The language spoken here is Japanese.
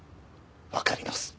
わかります。